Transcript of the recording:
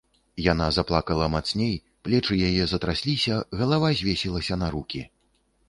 Яна заплакала мацней, плечы яе затрасліся, галава звесілася на рукі.